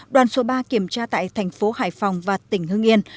đoàn số ba kiểm tra tại thành phố hải phòng và tỉnh hưng yên